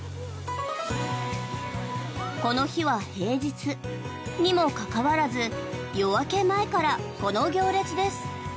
この日は平日にもかかわらず夜明け前からこの行列です。